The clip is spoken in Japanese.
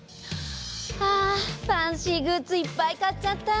あファンシーグッズいっぱい買っちゃった。